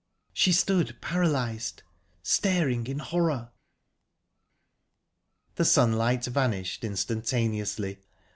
she stood paralysed, staring in horror... The sunlight vanished instantaneously.